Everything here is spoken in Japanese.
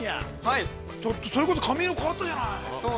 ちょっとそれこそ、髪色、変わったじゃない。